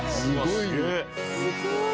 すごい色。